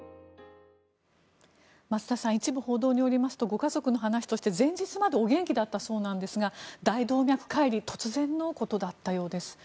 増田さん一部報道によりますとご家族の話によると前日までお元気だったそうなんですが大動脈解離突然のことだったようです。